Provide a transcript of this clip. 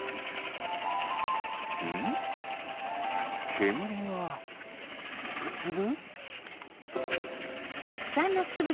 けむりがつぶつぶ？